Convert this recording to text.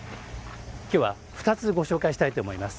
今日は２つ、ご紹介したいと思います。